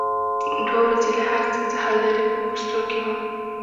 دوه ورځې له هر څه څخه لرې په پوستو کې وم.